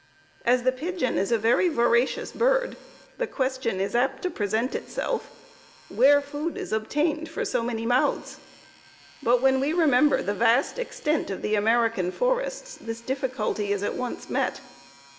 As the pigeon is a very voracious bird, the question is apt to present itself, where food is obtained for so many mouths; but, when we remember the vast extent of the American forests, this difficulty is at once met.